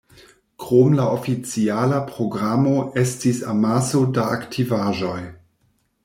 Krom la oficiala programo estis amaso da aktivaĵoj.